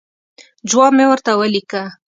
جواب مې ورته ولیکه.